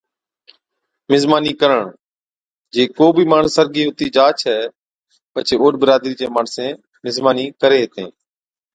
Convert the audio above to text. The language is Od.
مزمانِي ڪرڻ، جي ڪو بِي ماڻس سرگِي ھُتِي جا ڇَي پڇي اوڏ برادرِي چين ماڻسين مزمانِي ڪري ھِتين